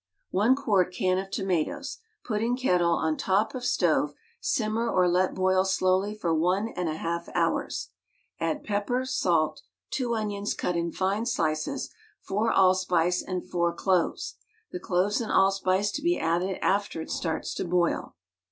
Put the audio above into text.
One quart can of tomatoes. Put in kettle on top of stove, simmer or let boil slowly for one and a half hours. Add pepper, salt, two onions cut in fine slices, four all spice and four cloves. The cloves and allspice to be added after it starts to boil.